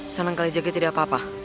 sunan kalijaga tidak apa apa